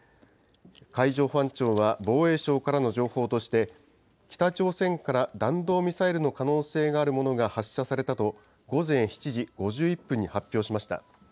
海上保安庁は防衛省からの情報として、北朝鮮から弾道ミサイルの可能性があるものが発射されたと、午前７時５１分に発表しました。